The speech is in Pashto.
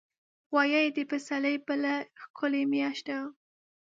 غویی د پسرلي بله ښکلي میاشت ده.